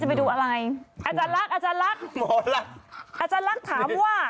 จะไปดูอะไรอาจารย์ลักษณ์อาจารย์ลักษณ์อาจารย์ลักษณ์ถามว่า